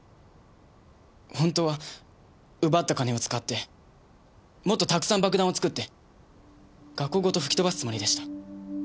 本当は奪った金を使ってもっとたくさん爆弾を作って学校ごと吹き飛ばすつもりでした。